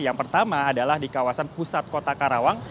yang pertama adalah di kawasan pusat kota karawang